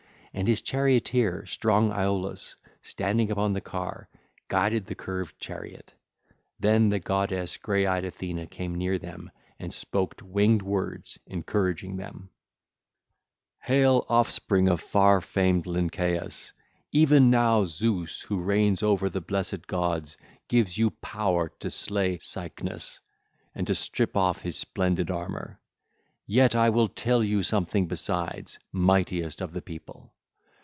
And his charioteer, strong Iolaus, standing upon the car, guided the curved chariot. (ll. 327 337) Then the goddess grey eyed Athene came near them and spoke winged words, encouraging them: 'Hail, offspring of far famed Lynceus! Even now Zeus who reigns over the blessed gods gives you power to slay Cycnus and to strip off his splendid armour. Yet I will tell you something besides, mightiest of the people.